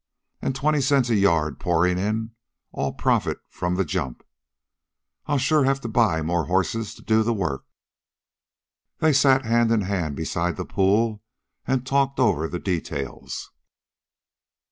An' twenty cents a yard pourin' in, all profit, from the jump. I'll sure have to buy more horses to do the work." They sat hand in hand beside the pool and talked over the details.